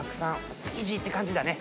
築地って感じだね。